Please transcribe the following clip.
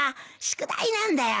宿題なんだよ。